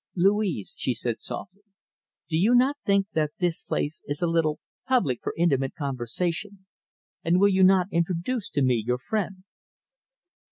"Louise," she said softly, "do you not think that this place is a little public for intimate conversation, and will you not introduce to me your friend?"